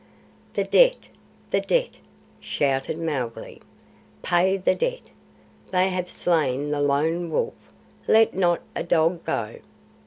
"The debt! The debt!" shouted Mowgli. "Pay the debt! They have slain the Lone Wolf! Let not a dog go!"